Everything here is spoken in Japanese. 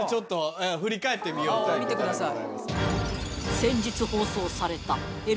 見てください。